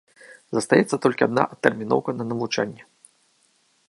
Застаецца толькі адна адтэрміноўка на навучанне.